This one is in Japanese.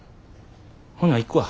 ほな行くわ。